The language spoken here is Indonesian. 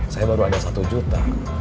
saya baru ada satu juta